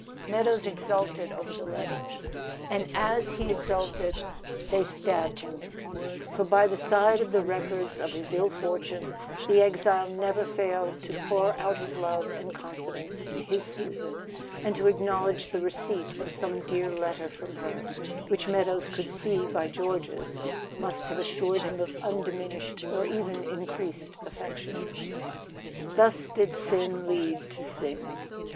Meadows exulted over the letters; and as he exulted they stabbed him, for by the side of the records of his ill fortune the exile never failed to pour out his love and confidence in his Susan and to acknowledge the receipt of some dear letter from her, which Meadows could see by George's must have assured him of undiminished or even increased affection. Thus did sin lead to sin.